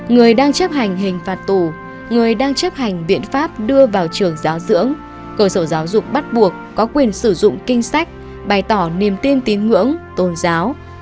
người đang chấp hành hình phạt tù người đang chấp hành viện pháp đưa vào trường giáo dưỡng cơ sở giáo dục bắt buộc có quyền sử dụng kinh sách bày tỏ niềm tin tín ngưỡng tôn giáo